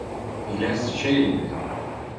Il es gelide.